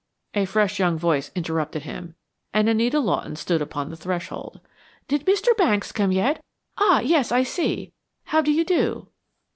a fresh young voice interrupted him, and Anita Lawton stood upon the threshold. "Did Mr. Banks come yet? ah, yes, I see. How do you do?"